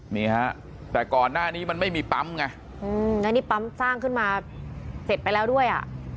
นี่ฮะแต่ก่อนหน้านี้มันไม่มีปั๊มไงอืมแล้วนี่ปั๊มสร้างขึ้นมาเสร็จไปแล้วด้วยอ่ะ